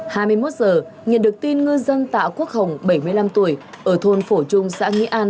hai mươi một giờ nhận được tin ngư dân tạ quốc hồng bảy mươi năm tuổi ở thôn phổ trung xã nghĩa an